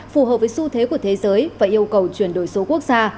phù hợp với xu thế của thế giới và yêu cầu chuyển đổi số quốc gia